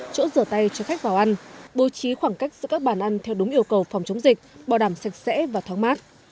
chỗ rửa tay cho khách vào ăn bố trí khoảng cách giữa các bàn ăn theo đúng yêu cầu phòng chống dịch bảo đảm sạch sẽ và thoáng mát